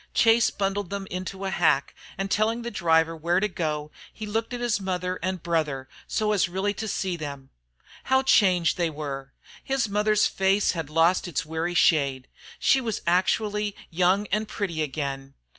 Chase bundled them into a hack, and telling the driver where to go, he looked at his mother and brother, so as really to see them. How changed they were! His mother's face had lost its weary shade. She was actually young and pretty again.